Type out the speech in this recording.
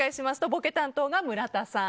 ボケ担当が村田さん